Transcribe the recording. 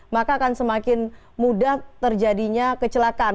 maka akan semakin mudah terjadinya kecelakaan